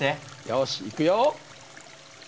よしいくよ。